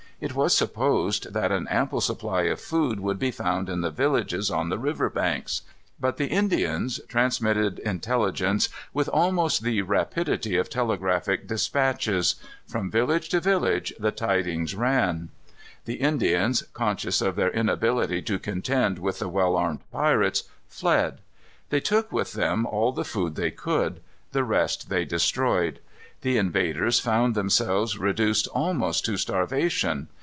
It was supposed that an ample supply of food would be found in the villages on the river banks. But the Indians transmitted intelligence with almost the rapidity of telegraphic dispatches. From village to village the tidings ran. The Indians, conscious of their inability to contend with the well armed pirates, fled. They took with them all the food they could. The rest they destroyed. The invaders found themselves reduced almost to starvation.